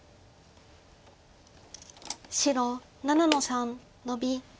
白７の三ノビ。